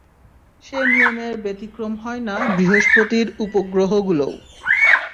সে নিয়মের ব্যতিক্রম হয় না বৃহঃস্পতির উপগ্রহগুলোও।